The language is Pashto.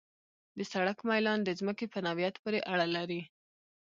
د سړک میلان د ځمکې په نوعیت پورې اړه لري